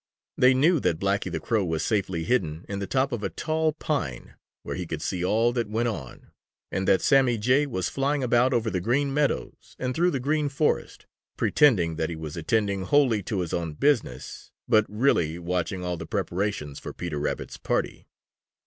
They knew that Blacky the Crow was safely hidden in the top of a tall pine, where he could see all that went on, and that Sammy Jay was flying about over the Green Meadows and through the Green Forest, pretending that he was attending wholly to his own business, but really watching all the preparations for Peter Rabbit's party.